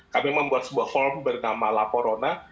kami membuat sebuah form bernama laporona